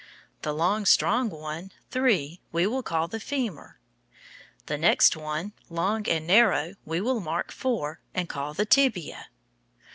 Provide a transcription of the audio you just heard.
The long, strong one, III, we will call the femur. The next one, long and narrow, we will mark IV, and call the tibia.